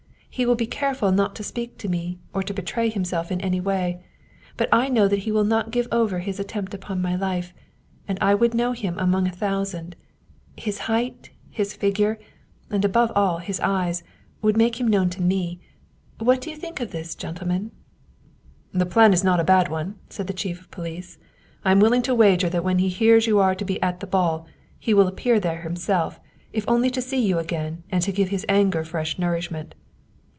He will be careful not to speak to me, or to betray himself in any way. But I know that he will not give over his at tempt upon my life, and I would know him among a thou sand. His height, his figure, and, above all, his eyes, would make him known to me. What do you think of this, gen tlemen?" " The plan is not a bad one," said the chief of police.' " I am willing to wager that when he hears you are to be at the ball, he will appear there himself, if only to see you again and to give his anger fresh nourishment.